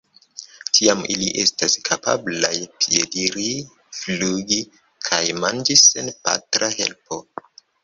Tiam ili estas kapablaj piediri, flugi kaj manĝi sen patra helpo.